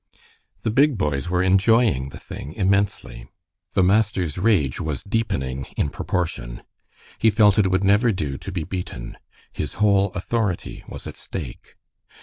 The big boys were enjoying the thing immensely. The master's rage was deepening in proportion. He felt it would never do to be beaten. His whole authority was at stake.